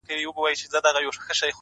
ژوند سرینده نه ده ـ چي بیا یې وږغوم ـ